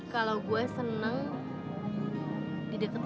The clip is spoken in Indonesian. kalau gue seneng di deket